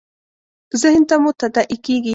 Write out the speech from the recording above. ذهن ته مو تداعي کېږي .